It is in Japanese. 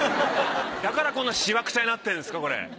だからこんなしわくちゃになってんすかこれ。